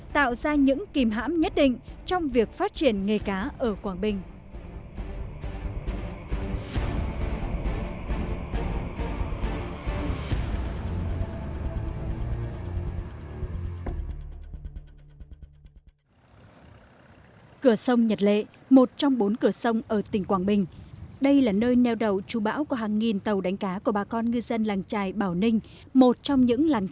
tạo ra những kìm hãm nhất định trong việc phát triển nghề cá ở quảng bình